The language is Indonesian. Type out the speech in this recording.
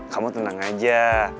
kamu tenang aja